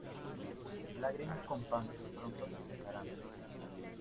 Lagrimas con pan, pronto se secarán.